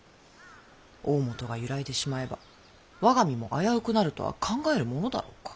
大本が揺らいでしまえば我が身も危うくなるとは考えぬものだろうか。